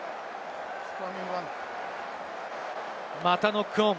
またノックオン。